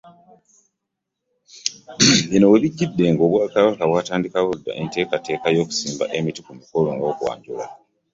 Bino we bijjidde, nga Obwakabaka bwatandikawo enteekateeka y'okusimba emiti ku mikolo gy'okwanjula.